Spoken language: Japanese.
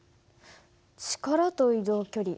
力と移動距離。